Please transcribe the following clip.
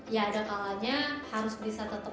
ya ada kalanya harus bisa tetap